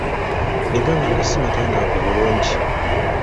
Ne gaba nga si matangaavu bulungi.